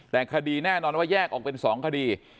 แต่คดีแน่นอนว่าแยกออกเป็น๒คดี